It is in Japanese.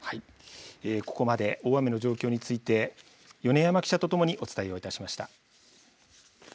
ここまで大雨の状況について米山記者と共にお伝えをいたしました。